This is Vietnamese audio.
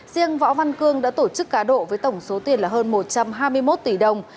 riêng võ văn cương đã tổ chức cá độ với tổng số tiền là hơn một trăm hai mươi một tỷ đồng